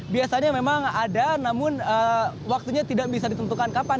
biasanya memang ada namun waktunya tidak bisa ditentukan kapan